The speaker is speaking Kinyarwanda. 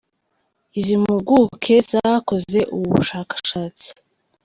Izi mpuguke zakoze ubu bushakashatsi